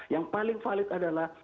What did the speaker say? yang paling valid adalah